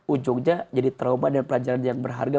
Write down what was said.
ujungnya jadi trauma dan pelajaran yang berharga